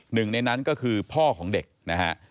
หนึ่งในนั้นก็คือพ่อของเด็กนะฮะ